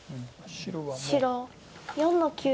白４の九。